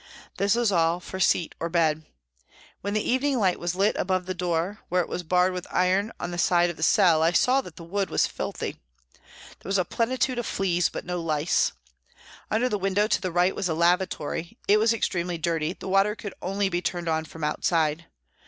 This was all for seat or bed. When the evening light was lit above the door, where it was barred with iron on the side of the cell, I saw that the wood was filthy. There was a plenitude of fleas, but no lice. Under the window to the right was a lavatory, it was extremely dirty, the water could only be turned on from outside.